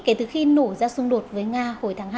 kể từ khi nổ ra xung đột với nga hồi tháng hai